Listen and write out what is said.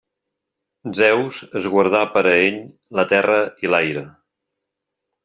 Zeus es guardà per a ell la terra i l'aire.